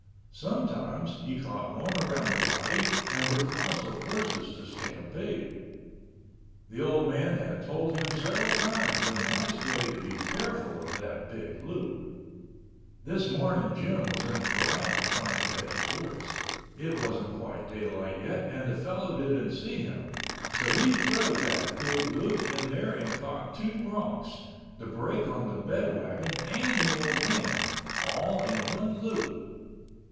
Sometimes he caught one around the body and would cause the horses to stampede. The old man had told him several times in a nice way to be careful of that big loop. This morning Jim was in the corral trying to catch his horse. It wasn't quite daylight yet and the fellow didn't see him. So he throwed that big loop in there and caught two broncs, the brake on the bedwagon and the old man—all in one loop.